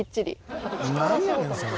なんやねんそれ。